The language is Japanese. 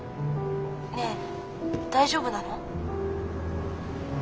ねえ大丈夫なの？